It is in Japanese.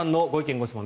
・ご質問